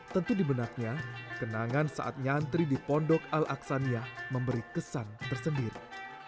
tentu di benaknya kenangan saat nyantri di pondok al aksania memberi kesan tersendiri